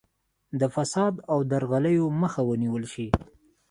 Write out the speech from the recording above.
د فساد او درغلیو مخه ونیول شي.